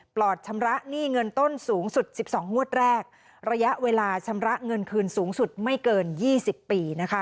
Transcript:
ปลอดชำระหนี้เงินต้นสูงสุด๑๒งวดแรกระยะเวลาชำระเงินคืนสูงสุดไม่เกิน๒๐ปี